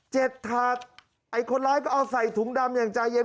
ถาดไอ้คนร้ายก็เอาใส่ถุงดำอย่างใจเย็น